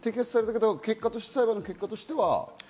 結果として裁判の結果としては？